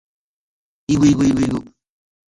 ｲｸﾞｲｸﾞｲｸﾞｲｸﾞ